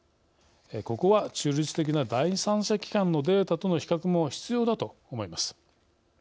ここは中立的な第三者機関のデータとの比較も必要だと思います。